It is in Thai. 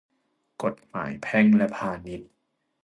กฎหมายแพ่งและพาณิชย์